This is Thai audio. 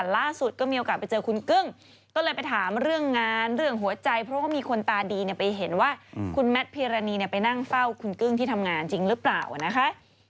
ล่าสุดก็มีโอกาสไปเจอคุณกึ้งก็เลยไปถามเรื่องงานเรื่องหัวใจเพราะว่ามีคนตาดีไปเห็นว่าคุณแมทพีรณีไปนั่งเฝ้าคุณกึ้งที่ทำงานจริงหรือเปล่านะคะ